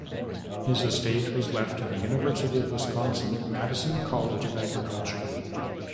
His estate was left to the University of Wisconsin-Madison College of Agriculture.